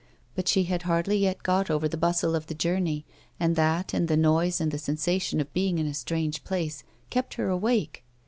But she had hardly yet got over the hustle of the journey, and that, and the noise and the sensation of being in a strange place, kept her awake.